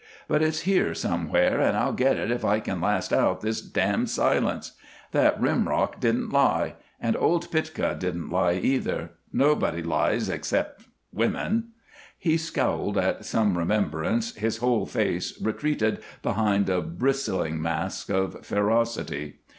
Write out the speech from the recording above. But it's here, somewhere, and I'll get it if I can last out this damned silence. That rim rock didn't lie. And old Pitka didn't lie, either. Nobody lies except women." He scowled at some remembrance, his whole face retreated behind a bristling mask of ferocity.